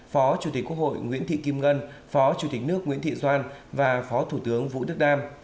phó chủ tịch quốc hội nguyễn thị kim ngân phó chủ tịch nước nguyễn thị doan và phó thủ tướng vũ đức đam